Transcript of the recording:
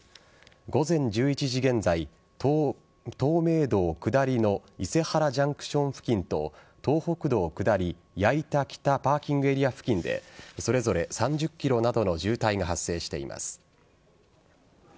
午前１１時現在東名道下りの伊勢原ジャンクション付近と東北道下り矢板北パーキングエリア付近でそれぞれ３０ｋｍなどの渋滞が発生しています。